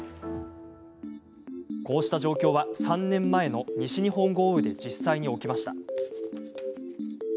こうした状況は、３年前の西日本豪雨で実際に起きました。